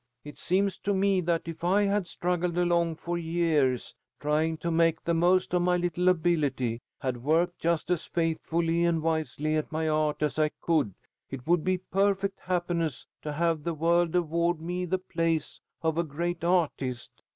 It seems to me that if I had struggled along for years, trying to make the most of my little ability, had worked just as faithfully and wisely at my art as I could, it would be perfect happiness to have the world award me the place of a great artist.